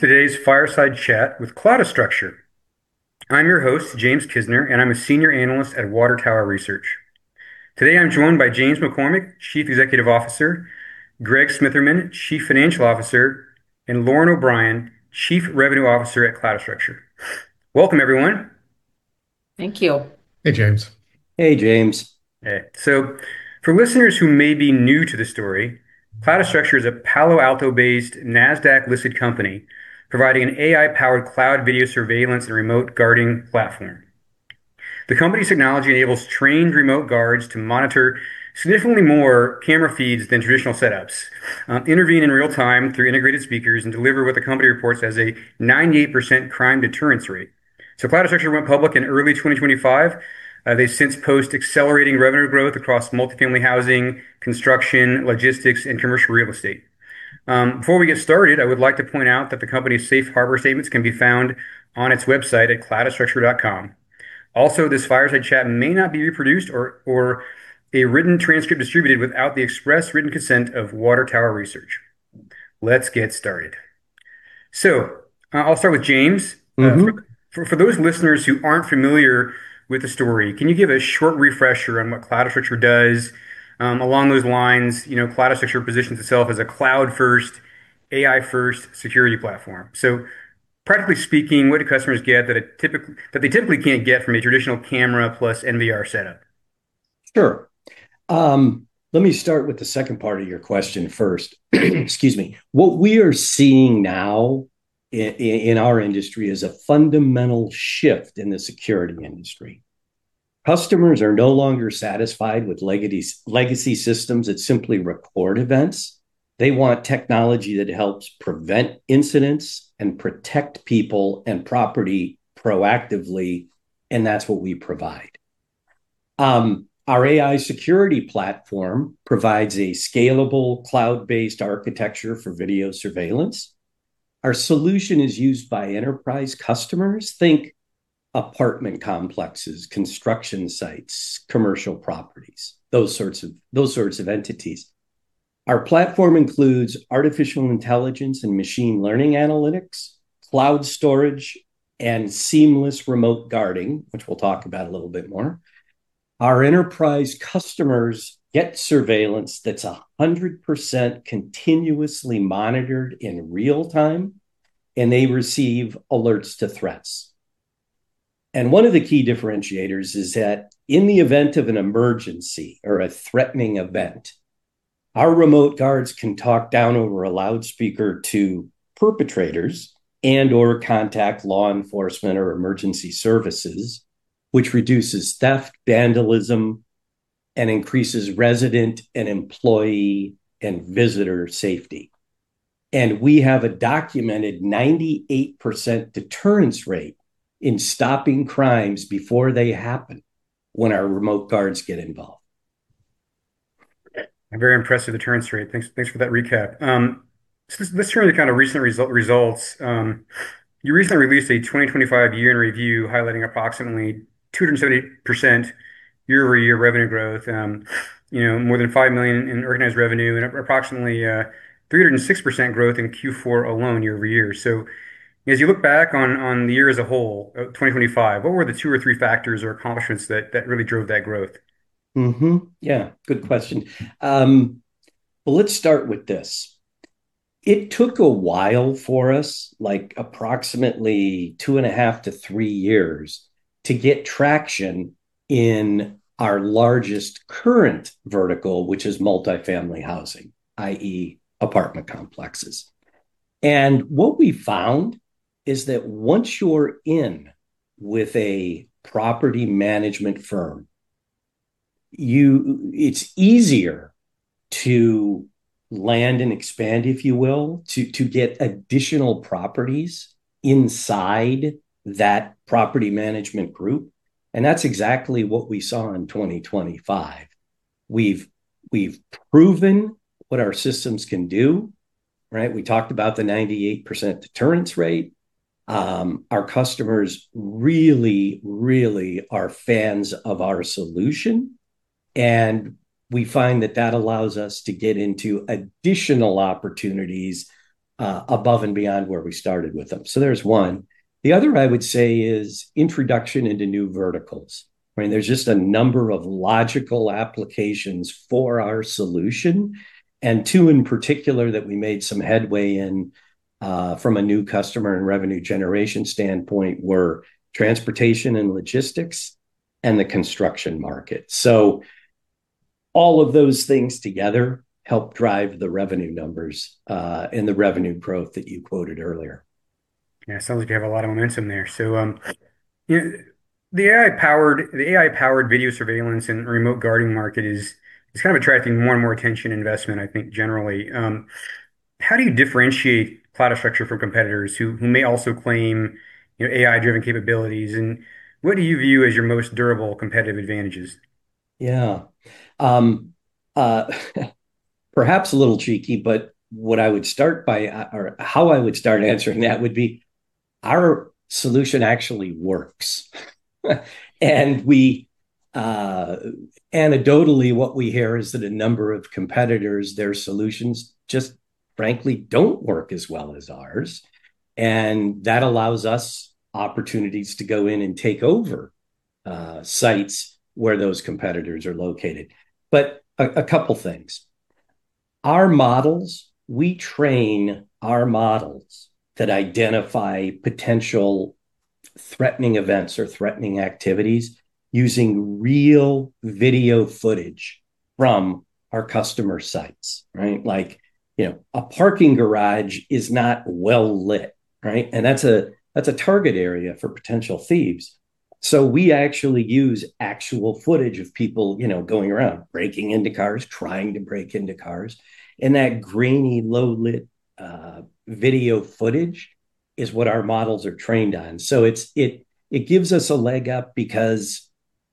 Today's fireside chat with Cloudastructure. I'm your host, James Kisner, and I'm a senior analyst at Water Tower Research. Today, I'm joined by James McCormick, Chief Executive Officer, Greg Smitherman, Chief Financial Officer, and Lauren O'Brien, Chief Revenue Officer at Cloudastructure. Welcome, everyone. Thank you. Hey, James. Hey, James. Hey, so for listeners who may be new to the story, Cloudastructure is a Palo Alto-based, NASDAQ-listed company providing an AI-powered cloud video surveillance and remote guarding platform. The company's technology enables trained remote guards to monitor significantly more camera feeds than traditional setups, intervene in real time through integrated speakers, and deliver what the company reports as a 98% crime deterrence rate. Cloudastructure went public in early 2025. They've since posted accelerating revenue growth across multifamily housing, construction, logistics, and commercial real estate. Before we get started, I would like to point out that the company's safe harbor statements can be found on its website at cloudastructure.com. Also, this fireside chat may not be reproduced or a written transcript distributed without the express written consent of Water Tower Research. Let's get started. I'll start with James. For those listeners who aren't familiar with the story, can you give a short refresher on what Cloudastructure does? Along those lines, you know, Cloudastructure positions itself as a cloud-first, AI-first security platform. So practically speaking, what do customers get that a typical-- that they typically can't get from a traditional camera plus NVR setup? Sure. Let me start with the second part of your question first. Excuse me. What we are seeing now in our industry is a fundamental shift in the security industry. Customers are no longer satisfied with legacy systems that simply record events. They want technology that helps prevent incidents and protect people and property proactively, and that's what we provide. Our AI security platform provides a scalable, cloud-based architecture for video surveillance. Our solution is used by enterprise customers, think apartment complexes, construction sites, commercial properties, those sorts of entities. Our platform includes artificial intelligence and machine learning analytics, cloud storage, and seamless remote guarding, which we'll talk about a little bit more. Our enterprise customers get surveillance that's 100% continuously monitored in real time, and they receive alerts to threats. One of the key differentiators is that in the event of an emergency or a threatening event, our remote guards can talk down over a loudspeaker to perpetrators and/or contact law enforcement or emergency services, which reduces theft, vandalism, and increases resident and employee and visitor safety. We have a documented 98% deterrence rate in stopping crimes before they happen when our remote guards get involved. I'm very impressed with the deterrence rate. Thanks, thanks for that recap. Let's turn to kind of recent result, results. You recently released a 2025 year-end review highlighting approximately 270% year-over-year revenue growth. You know, more than $5 million in recognized revenue and approximately, 306% growth in Q4 alone year-over-year. So as you look back on, on the year as a whole, 2025, what were the two or three factors or accomplishments that, that really drove that growth? Yeah, good question. Well, let's start with this. It took a while for us, like approximately 2.5-3 years, to get traction in our largest current vertical, which is multifamily housing, i.e., apartment complexes. And what we found is that once you're in with a property management firm, you, it's easier to land and expand, if you will, to get additional properties inside that property management group, and that's exactly what we saw in 2025. We've proven what our systems can do, right? We talked about the 98% deterrence rate. Our customers really, really are fans of our solution, and we find that that allows us to get into additional opportunities above and beyond where we started with them. So there's one. The other, I would say, is introduction into new verticals, right? There's just a number of logical applications for our solution, and two in particular that we made some headway in, from a new customer and revenue generation standpoint, were transportation and logistics and the construction market. So all of those things together helped drive the revenue numbers, and the revenue growth that you quoted earlier. Yeah, sounds like you have a lot of momentum there. So, yeah, the AI-powered-- the AI-powered video surveillance and remote guarding market is kind of attracting more and more attention investment, I think, generally. How do you differentiate Cloudastructure from competitors who may also claim, you know, AI-driven capabilities, and what do you view as your most durable competitive advantages? Yeah. Perhaps a little cheeky, but how I would start answering that would be our solution actually works. And we anecdotally, what we hear is that a number of competitors, their solutions just frankly don't work as well as ours, and that allows us opportunities to go in and take over sites where those competitors are located. But a couple things. Our models, we train our models that identify potential threatening events or threatening activities using real video footage from our customer sites, right? Like, you know, a parking garage is not well-lit, right? And that's a target area for potential thieves. So we actually use actual footage of people, you know, going around, breaking into cars, trying to break into cars. And that grainy, low-lit video footage is what our models are trained on. So it gives us a leg up because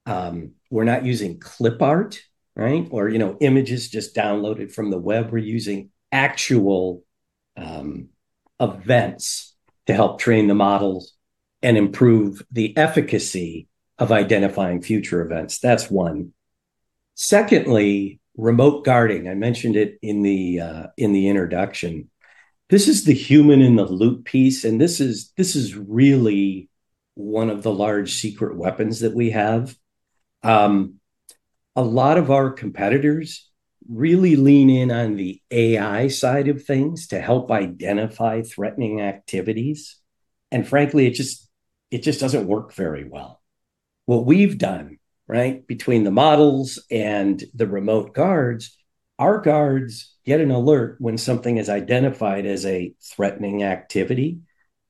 we're not using clip art, right? Or, you know, images just downloaded from the web. We're using actual events to help train the models and improve the efficacy of identifying future events. That's one. Secondly, Remote Guarding. I mentioned it in the introduction. This is the human-in-the-loop piece, and this is really one of the large secret weapons that we have. A lot of our competitors really lean in on the AI side of things to help identify threatening activities, and frankly, it just doesn't work very well. What we've done, right, between the models and the remote guards, our guards get an alert when something is identified as a threatening activity.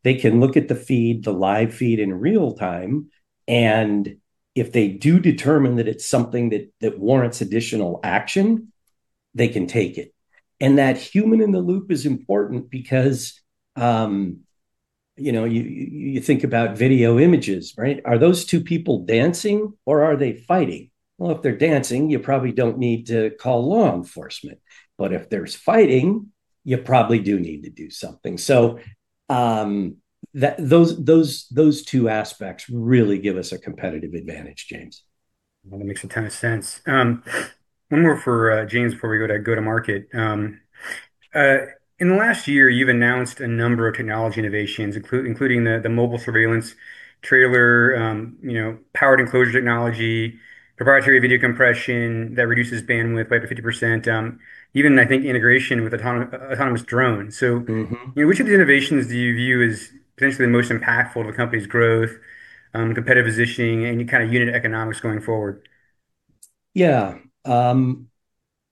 They can look at the feed, the live feed, in real time, and if they do determine that it's something that warrants additional action, they can take it. And that human-in-the-loop is important because, you know, you think about video images, right? Are those two people dancing, or are they fighting? Well, if they're dancing, you probably don't need to call law enforcement, but if there's fighting, you probably do need to do something. So, those two aspects really give us a competitive advantage, James. Well, that makes a ton of sense. One more for, James before we go to go-to-market. In the last year, you've announced a number of technology innovations, including the mobile surveillance trailer, you know, powered enclosure technology, proprietary video compression that reduces bandwidth by up to 50%, even I think integration with autonomous drones. Which of these innovations do you view as potentially the most impactful to the company's growth, competitive positioning, and kind of unit economics going forward? Yeah,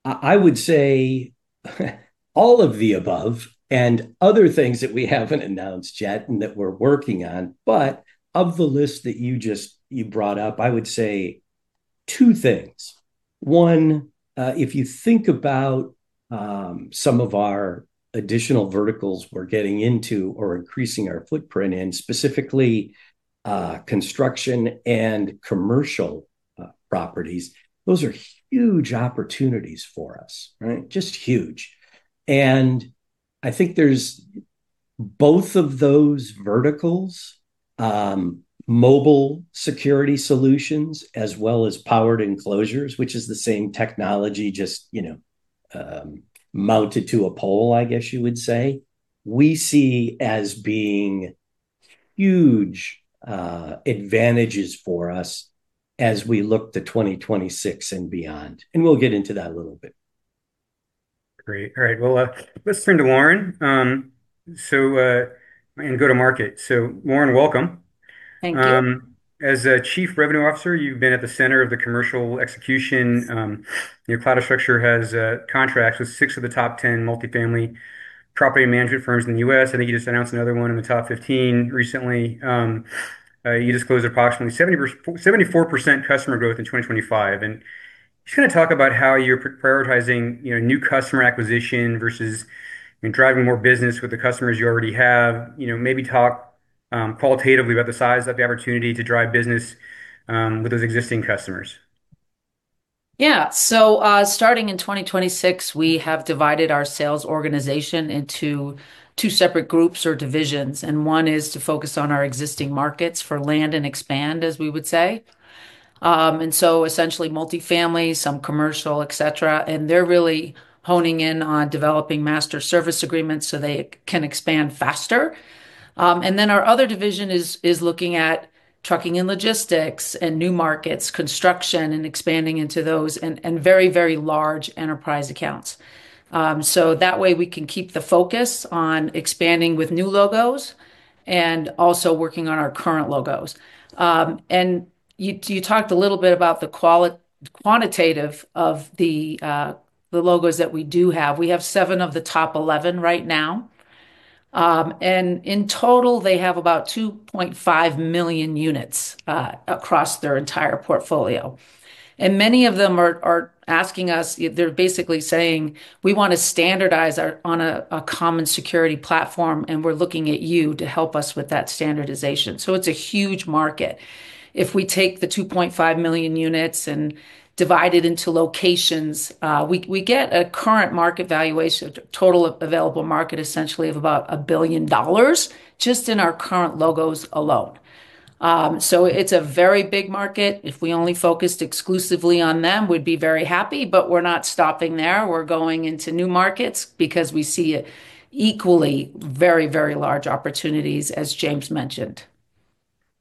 I would say, all of the above and other things that we haven't announced yet and that we're working on. But of the list that you just brought up, I would say two things. One, if you think about some of our additional verticals we're getting into or increasing our footprint in, specifically, construction and commercial properties, those are huge opportunities for us, right? Just huge. And I think there's... Both of those verticals, mobile security solutions, as well as powered enclosures, which is the same technology, just, you know, mounted to a pole, I guess you would say, we see as being huge advantages for us as we look to 2026 and beyond, and we'll get into that a little bit. Great. All right, well, let's turn to Lauren and go-to-market. Lauren, welcome. Thank you. As a Chief Revenue Officer, you've been at the center of the commercial execution. You know, Cloudastructure has contracts with six of the top 10 multifamily property management firms in the U.S. I think you just announced another one in the top 15 recently. You disclosed approximately 74% customer growth in 2025. Just kind of talk about how you're prioritizing, you know, new customer acquisition versus, I mean, driving more business with the customers you already have. You know, maybe talk qualitatively about the size of the opportunity to drive business with those existing customers. Yeah. So, starting in 2026, we have divided our sales organization into two separate groups or divisions, and one is to focus on our existing markets for land and expand, as we would say. And so essentially multifamily, some commercial, et cetera, and they're really honing in on developing master service agreements so they can expand faster. And then our other division is, is looking at trucking and logistics and new markets, construction, and expanding into those and, and very, very large enterprise accounts. So that way, we can keep the focus on expanding with new logos and also working on our current logos. And you, you talked a little bit about the qualitative quantitative of the, the logos that we do have. We have seven of the top 11 right now. And in total, they have about 2.5 million units across their entire portfolio. And many of them are asking us, they're basically saying: "We want to standardize on a common security platform, and we're looking at you to help us with that standardization." So it's a huge market. If we take the 2.5 million units and divide it into locations, we get a current market valuation, total available market, essentially, of about $1 billion, just in our current logos alone. So it's a very big market. If we only focused exclusively on them, we'd be very happy, but we're not stopping there. We're going into new markets because we see equally very, very large opportunities, as James mentioned.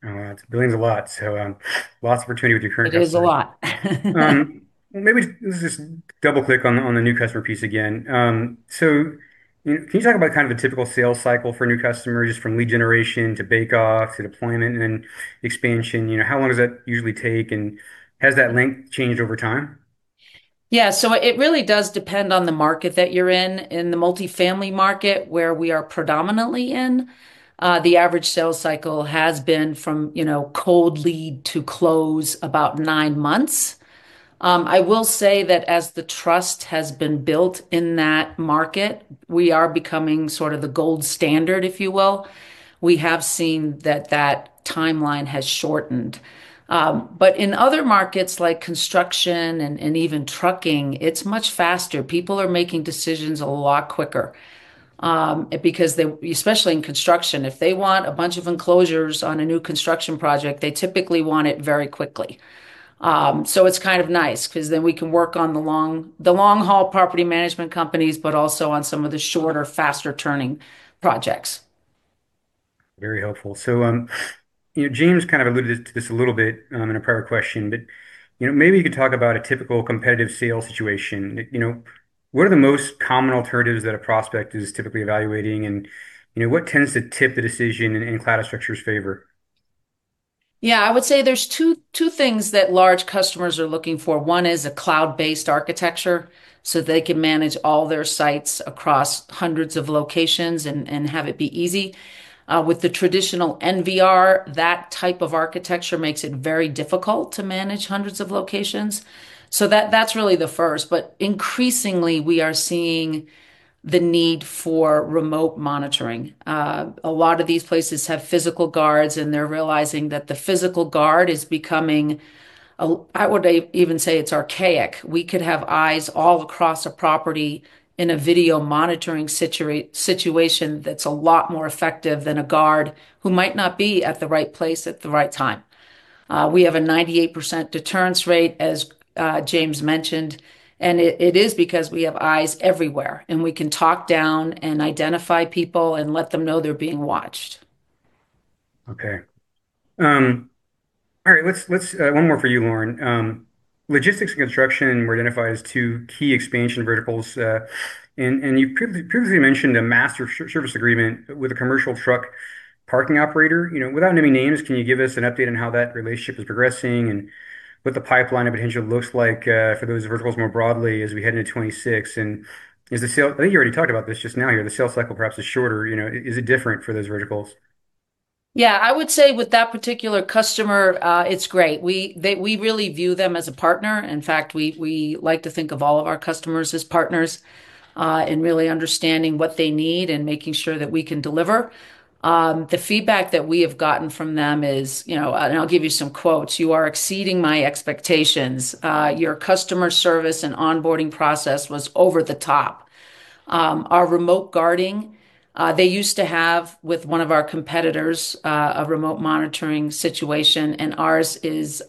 Oh, wow, $1 billion's a lot, so, lot of opportunity with your current customers. It is a lot. Maybe just double-click on the new customer piece again. So can you talk about kind of a typical sales cycle for a new customer, just from lead generation to bake-off to deployment and expansion? You know, how long does that usually take, and has that length changed over time? Yeah, so it really does depend on the market that you're in. In the multifamily market, where we are predominantly in, the average sales cycle has been from, you know, cold lead to close, about nine months. I will say that as the trust has been built in that market, we are becoming sort of the gold standard, if you will. We have seen that that timeline has shortened. But in other markets, like construction and even trucking, it's much faster. People are making decisions a lot quicker, because they... Especially in construction, if they want a bunch of enclosures on a new construction project, they typically want it very quickly. So it's kind of nice because then we can work on the long-haul property management companies, but also on some of the shorter, faster-turning projects. Very helpful. So, you know, James kind of alluded to this a little bit, in a prior question, but, you know, maybe you could talk about a typical competitive sales situation. You know, what are the most common alternatives that a prospect is typically evaluating, and, you know, what tends to tip the decision in, in Cloudastructure's favor? Yeah, I would say there's two, two things that large customers are looking for. One is a cloud-based architecture, so they can manage all their sites across hundreds of locations and, and have it be easy. With the traditional NVR, that type of architecture makes it very difficult to manage hundreds of locations, so that's really the first. But increasingly, we are seeing the need for remote monitoring. A lot of these places have physical guards, and they're realizing that the physical guard is becoming, I would even say, it's archaic. We could have eyes all across a property in a video monitoring situation that's a lot more effective than a guard who might not be at the right place at the right time. We have a 98% deterrence rate, as James mentioned, and it is because we have eyes everywhere, and we can talk down and identify people and let them know they're being watched. Okay. All right, let's... One more for you, Lauren. Logistics and construction were identified as two key expansion verticals, and you previously mentioned a master service agreement with a commercial truck parking operator. You know, without naming names, can you give us an update on how that relationship is progressing and what the pipeline of potential looks like for those verticals more broadly as we head into 2026? And is the sales—I think you already talked about this just now here. The sales cycle perhaps is shorter. You know, is it different for those verticals? Yeah, I would say with that particular customer, it's great. We really view them as a partner. In fact, we like to think of all of our customers as partners in really understanding what they need and making sure that we can deliver. The feedback that we have gotten from them is, you know, and I'll give you some quotes. "You are exceeding my expectations." "Your customer service and onboarding process was over the top." Our remote guarding, they used to have, with one of our competitors, a remote monitoring situation, and ours is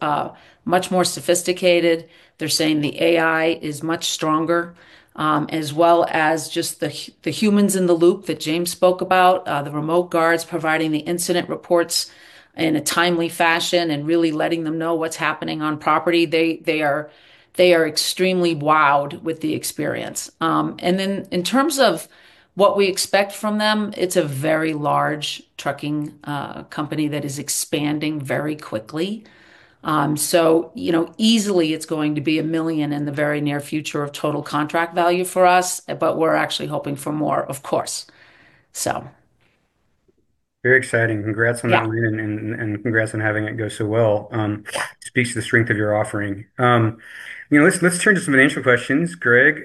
much more sophisticated. They're saying the AI is much stronger, as well as just the humans in the loop that James spoke about. The remote guards providing the incident reports in a timely fashion and really letting them know what's happening on property. They are extremely wowed with the experience. And then in terms of what we expect from them, it's a very large trucking company that is expanding very quickly. So, you know, easily it's going to be $1 million in the very near future of total contract value for us, but we're actually hoping for more, of course, so. Very exciting. Yeah. Congrats on that win, and congrats on having it go so well. Yeah. Speaks to the strength of your offering. You know, let's turn to some financial questions, Greg.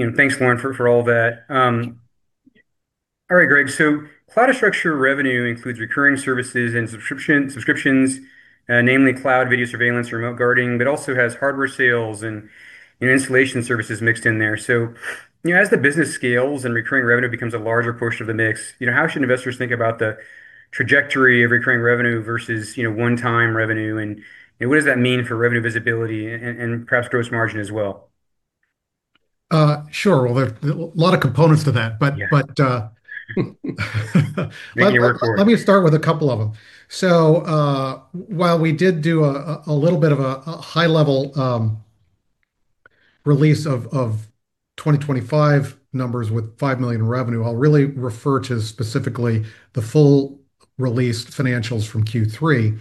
You know, thanks, Lauren, for all that. All right, Greg, so Cloudastructure revenue includes recurring services and subscriptions, namely cloud video surveillance, remote guarding, but also has hardware sales and installation services mixed in there. So, you know, as the business scales and recurring revenue becomes a larger portion of the mix, you know, how should investors think about the trajectory of recurring revenue versus one-time revenue, and what does that mean for revenue visibility and perhaps gross margin as well? Sure. Well, there are a lot of components to that, but- Yeah but, Make it work for us. Let me start with a couple of them. So, while we did do a little bit of a high-level release of 2025 numbers with $5 million in revenue, I'll really refer to specifically the full released financials from Q3,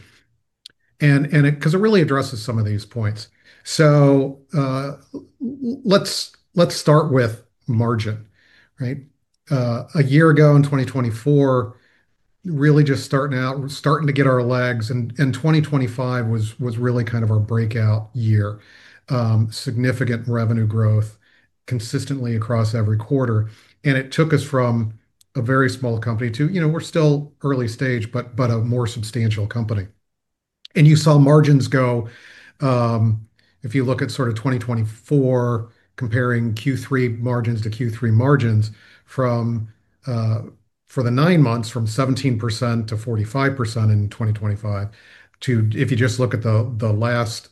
and it, 'cause it really addresses some of these points. So, let's start with margin, right? A year ago in 2024, really just starting out, starting to get our legs, and 2025 was really kind of our breakout year. Significant revenue growth consistently across every quarter, and it took us from a very small company to, you know, we're still early stage, but a more substantial company. You saw margins go, if you look at sort of 2024, comparing Q3 margins to Q3 margins from, for the nine months from 17% to 45% in 2025, to if you just look at the, the last,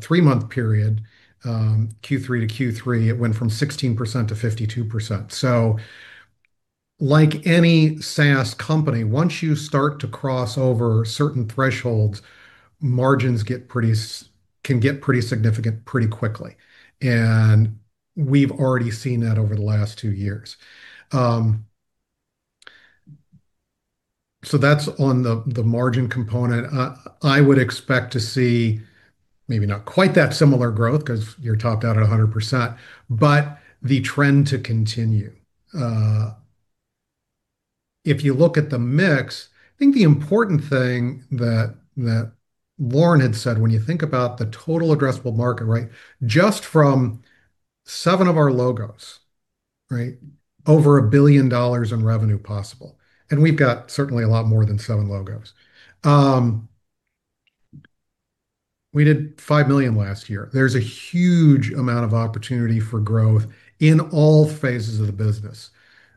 three-month period, Q3 to Q3, it went from 16% to 52%. So like any SaaS company, once you start to cross over certain thresholds, margins get pretty can get pretty significant pretty quickly, and we've already seen that over the last two years. So that's on the, the margin component. I would expect to see maybe not quite that similar growth, 'cause you're topped out at 100%, but the trend to continue. If you look at the mix, I think the important thing that Lauren had said, when you think about the total addressable market, right, just from 7 of our logos, right, over $1 billion in revenue possible, and we've got certainly a lot more than 7 logos. We did $5 million last year. There's a huge amount of opportunity for growth in all phases of the business,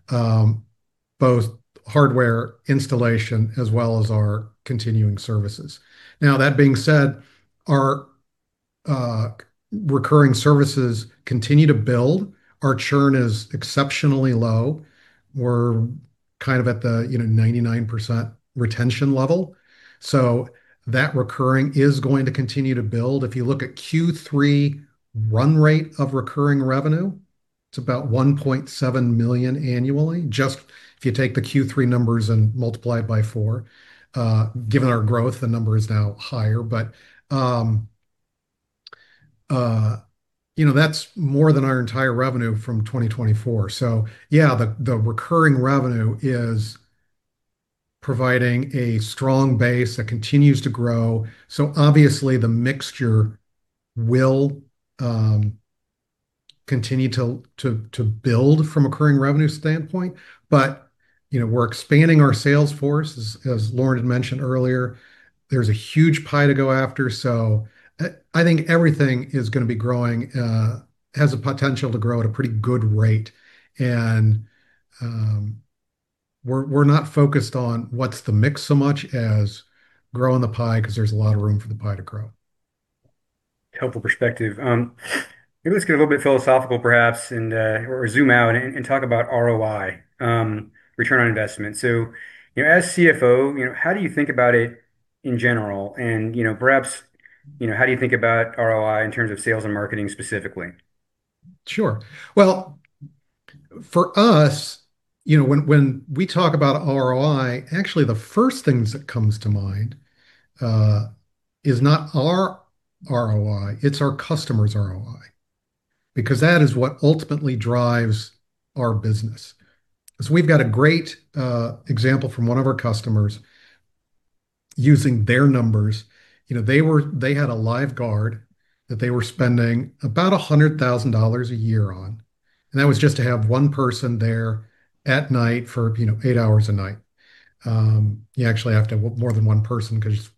both hardware installation as well as our continuing services. Now, that being said, our recurring services continue to build. Our churn is exceptionally low. We're kind of at the, you know, 99% retention level, so that recurring is going to continue to build. If you look at Q3 run rate of recurring revenue, it's about $1.7 million annually, just if you take the Q3 numbers and multiply it by four. Given our growth, the number is now higher, but you know, that's more than our entire revenue from 2024. So yeah, the recurring revenue is providing a strong base that continues to grow. So obviously, the mixture will continue to build from a recurring revenue standpoint, but you know, we're expanding our sales force. As Lauren had mentioned earlier, there's a huge pie to go after, so I think everything is gonna be growing, has the potential to grow at a pretty good rate. And we're not focused on what's the mix so much as growing the pie, 'cause there's a lot of room for the pie to grow. Helpful perspective. Maybe let's get a little bit philosophical perhaps, and or zoom out and talk about ROI, return on investment. So, you know, as CFO, you know, how do you think about it in general? And, you know, perhaps, you know, how do you think about ROI in terms of sales and marketing specifically? Sure. Well, for us, you know, when we talk about ROI, actually, the first things that comes to mind is not our ROI, it's our customer's ROI, because that is what ultimately drives our business. So we've got a great example from one of our customers using their numbers. You know, they had a live guard that they were spending about $100,000 a year on, and that was just to have one person there at night for, you know, 8 hours a night. You actually have to have more than one person, 'cause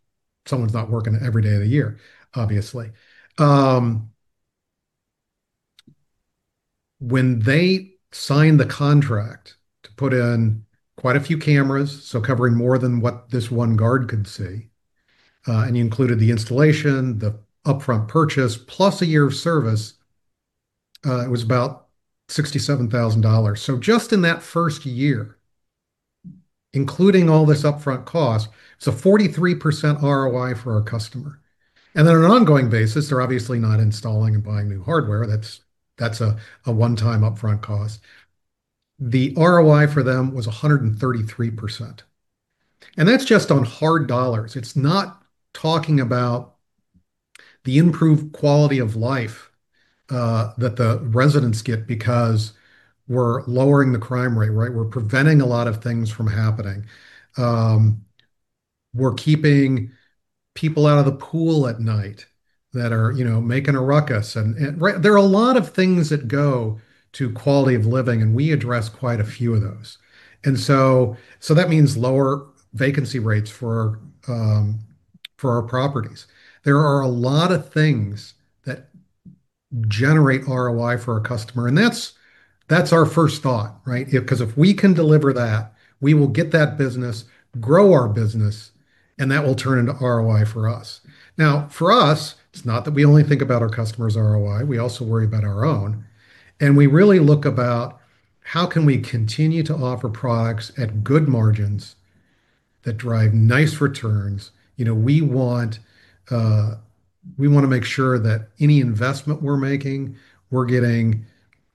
someone's not working every day of the year, obviously. When they signed the contract to put in quite a few cameras, so covering more than what this one guard could see, and you included the installation, the upfront purchase, plus a year of service, it was about $67,000. So just in that first year, including all this upfront cost, it's a 43% ROI for our customer. And then on an ongoing basis, they're obviously not installing and buying new hardware. That's a one-time upfront cost. The ROI for them was 133%, and that's just on hard dollars. It's not talking about the improved quality of life that the residents get because we're lowering the crime rate, right? We're preventing a lot of things from happening. We're keeping people out of the pool at night that are, you know, making a ruckus, and right. There are a lot of things that go to quality of living, and we address quite a few of those. So that means lower vacancy rates for our properties. There are a lot of things that generate ROI for our customer, and that's our first thought, right? 'Cause if we can deliver that, we will get that business, grow our business, and that will turn into ROI for us. Now, for us, it's not that we only think about our customers' ROI, we also worry about our own, and we really look about how can we continue to offer products at good margins that drive nice returns. You know, we want... We wanna make sure that any investment we're making, we're getting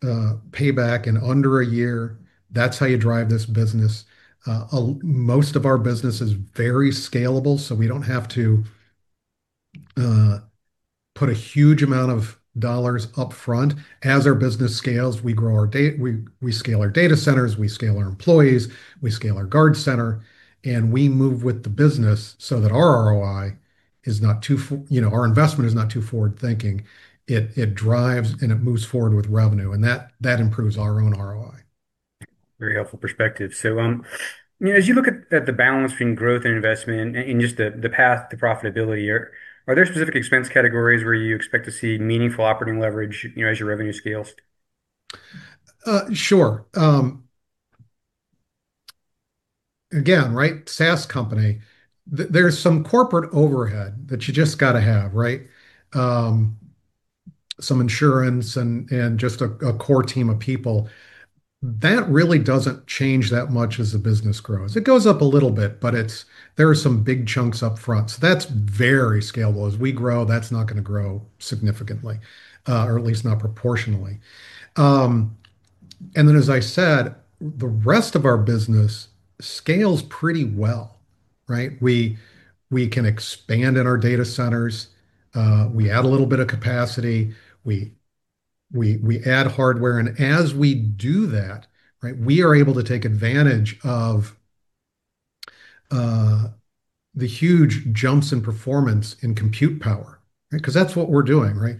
payback in under a year. That's how you drive this business. Almost all of our business is very scalable, so we don't have to put a huge amount of dollars upfront. As our business scales, we scale our data centers, we scale our employees, we scale our guard center, and we move with the business so that our ROI is not too far, you know, our investment is not too forward-thinking. It drives and it moves forward with revenue, and that improves our own ROI. Very helpful perspective. So, you know, as you look at the balance between growth and investment and just the path to profitability, are there specific expense categories where you expect to see meaningful operating leverage, you know, as your revenue scales? Sure. Again, right, SaaS company, there's some corporate overhead that you just gotta have, right? Some insurance and just a core team of people. That really doesn't change that much as the business grows. It goes up a little bit, but it's... There are some big chunks upfront, so that's very scalable. As we grow, that's not gonna grow significantly, or at least not proportionally. And then as I said, the rest of our business scales pretty well, right? We can expand in our data centers, we add a little bit of capacity, we add hardware, and as we do that, right, we are able to take advantage of the huge jumps in performance in compute power, right? 'Cause that's what we're doing, right?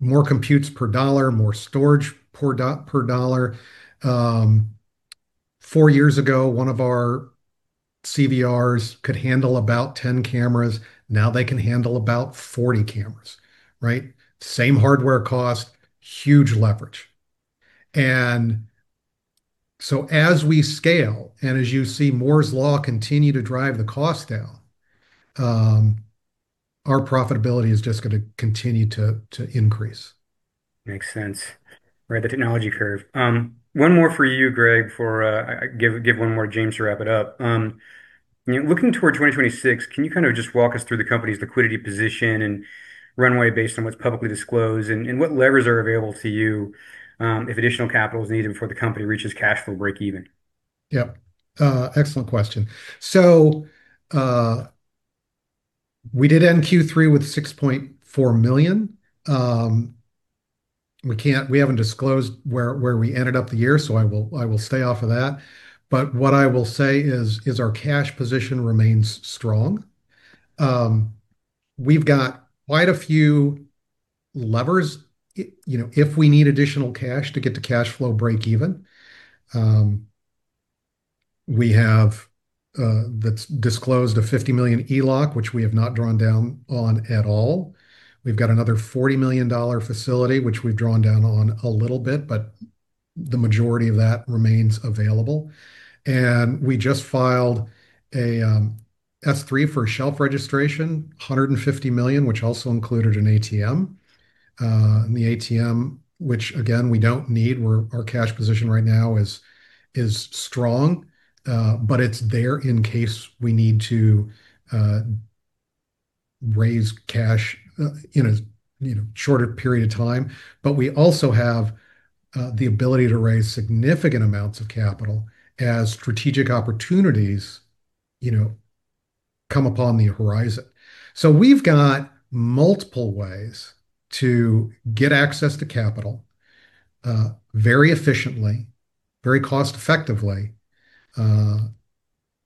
More computes per dollar, more storage per dollar. Four years ago, one of our CVRs could handle about 10 cameras. Now they can handle about 40 cameras, right? Same hardware cost, huge leverage. As we scale, and as you see Moore's Law continue to drive the cost down, our profitability is just gonna continue to increase. Makes sense, right, the technology curve. One more for you, Greg, before I give one more to James to wrap it up. You know, looking toward 2026, can you kind of just walk us through the company's liquidity position and runway based on what's publicly disclosed, and what levers are available to you, if additional capital is needed before the company reaches cash flow breakeven? Yep. Excellent question. So, we did end Q3 with $6.4 million. We haven't disclosed where we ended up the year, so I will stay off of that. But what I will say is our cash position remains strong. We've got quite a few levers you know, if we need additional cash to get to cash flow breakeven. We have, that's disclosed, a $50 million ELOC, which we have not drawn down on at all. We've got another $40 million facility, which we've drawn down on a little bit, but the majority of that remains available. And we just filed a S-3 for a shelf registration, $150 million, which also included an ATM. The ATM, which again, we don't need, our cash position right now is strong, but it's there in case we need to raise cash in a you know shorter period of time. But we also have the ability to raise significant amounts of capital as strategic opportunities you know come upon the horizon. So we've got multiple ways to get access to capital very efficiently, very cost-effectively.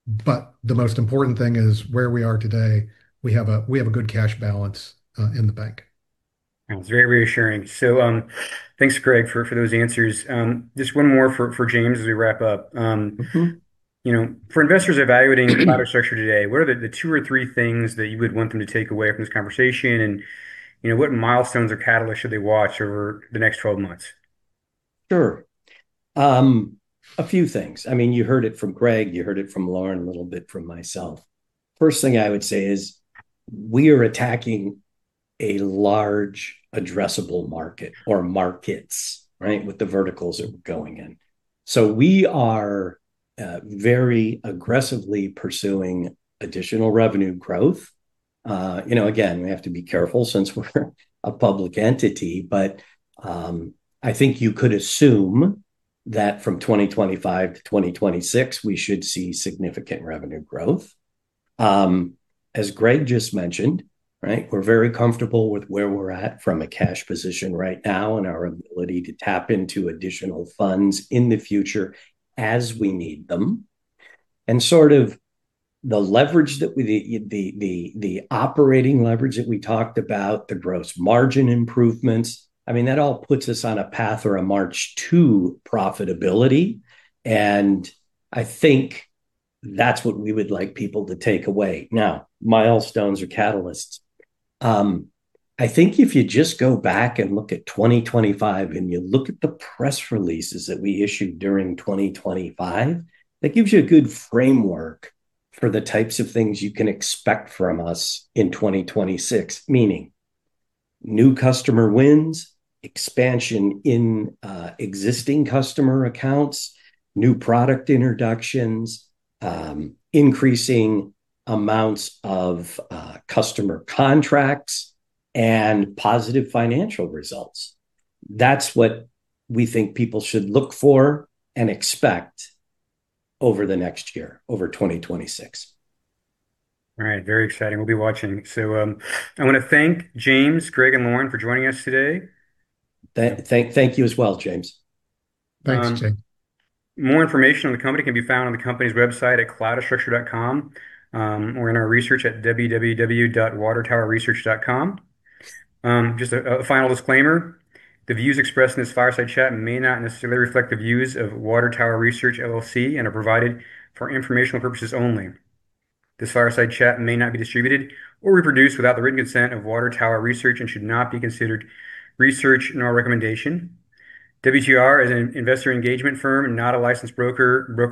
But the most important thing is where we are today, we have a good cash balance in the bank. That's very reassuring. So, thanks, Greg, for those answers. Just one more for James as we wrap up. You know, for investors evaluating Cloudastructure today, what are the two or three things that you would want them to take away from this conversation, and, you know, what milestones or catalysts should they watch over the next twelve months? Sure. A few things. I mean, you heard it from Greg, you heard it from Lauren, a little bit from myself. First thing I would say is we are attacking a large addressable market or markets, right, with the verticals that we're going in. So we are very aggressively pursuing additional revenue growth. You know, again, we have to be careful since we're a public entity, but I think you could assume that from 2025 to 2026, we should see significant revenue growth. As Greg just mentioned, right, we're very comfortable with where we're at from a cash position right now and our ability to tap into additional funds in the future as we need them. Sort of the leverage, the operating leverage that we talked about, the gross margin improvements, I mean, that all puts us on a path or a march to profitability, and I think that's what we would like people to take away. Now, milestones or catalysts. I think if you just go back and look at 2025, and you look at the press releases that we issued during 2025, that gives you a good framework for the types of things you can expect from us in 2026. Meaning new customer wins, expansion in existing customer accounts, new product introductions, increasing amounts of customer contracts, and positive financial results. That's what we think people should look for and expect over the next year, over 2026. All right, very exciting. We'll be watching. So, I wanna thank James, Greg, and Lauren for joining us today. Thank you as well, James. Thanks, James. More information on the company can be found on the company's website at cloudastructure.com, or in our research at www.watertowerresearch.com. Just a final disclaimer: The views expressed in this fireside chat may not necessarily reflect the views of Water Tower Research LLC, and are provided for informational purposes only. This fireside chat may not be distributed or reproduced without the written consent of Water Tower Research and should not be considered research nor recommendation. WTR is an investor engagement firm and not a licensed broker, broker-